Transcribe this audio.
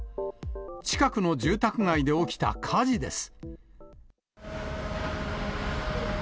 近くの住宅街で起きた火事です。